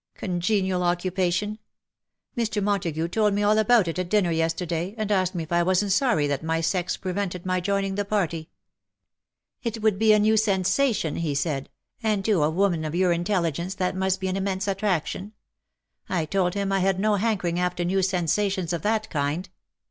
" Congenial occu pation. Mr. Montagu told me all about it at dinner yesterday, and asked me if I wasn^t sorry that my sex prevented my joining the party. ' It would be a new sensation/ he said, ' and to a woman of your intelligence that must be an immense attraction.^ I told him I had no hankering after new sensations of that kind.''